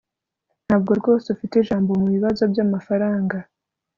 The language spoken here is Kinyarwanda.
ntabwo rwose ufite ijambo mubibazo byamafaranga